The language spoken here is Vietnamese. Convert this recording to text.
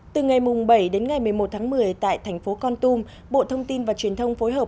từ ngày bảy đến ngày một mươi một tháng một mươi tại thành phố con tum bộ thông tin và truyền thông phối hợp